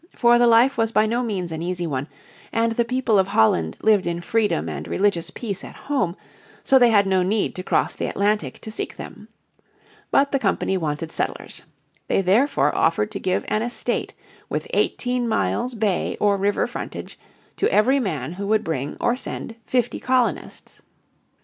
For the life was by no means an easy one, and the people of Holland lived in freedom and religious peace at home, so they had no need to cross the Atlantic to seek them. But the company wanted settlers. They therefore offered to give an estate with eighteen miles' bay or river frontage to every man who would bring, or send, fifty colonists.